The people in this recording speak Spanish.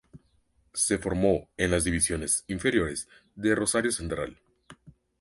Se formó en las divisiones inferiores de Rosario Central.